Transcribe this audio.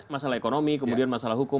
masalah ekonomi kemudian masalah hukum